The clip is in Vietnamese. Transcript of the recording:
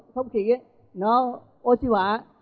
thông khí nó ô trí hóa